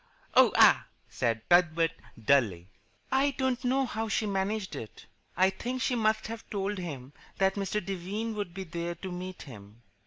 "Oh, ah!" said Cuthbert, dully. "I don't know how she managed it. I think she must have told him that Mr. Devine would be there to meet him."